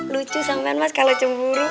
lucu sampean mas kalo cemburu